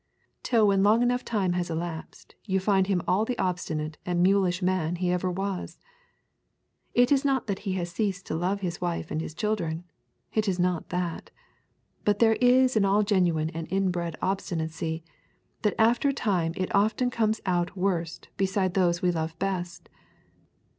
Till when long enough time has elapsed you find him all the obstinate and mulish man he ever was. It is not that he has ceased to love his wife and his children. It is not that. But there is this in all genuine and inbred obstinacy, that after a time it often comes out worst beside those we love best.